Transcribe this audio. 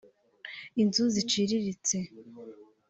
inzu ziciriritse